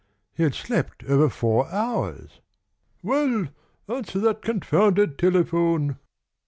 He had slept over four hours! "Well, answer that confounded telephone."